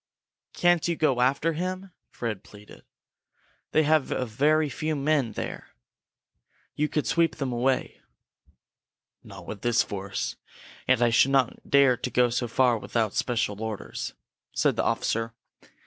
"Can't you go after him?" Fred pleaded. "They have very few men there. You could sweep them away." "Not with this force. And I should not dare to go so far without special orders," said the officer.